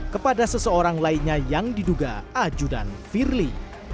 kepada seseorang lainnya yang diduga ajudan firly